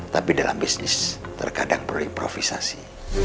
tapi dalam bisnis terkadang perlu improvisasi